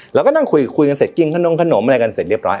เราก็นั่งคุยกันเสร็จกินขนมขนมอะไรกันเสร็จเรียบร้อย